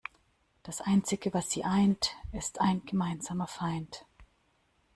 Das einzige, was sie eint, ist ein gemeinsamer Feind.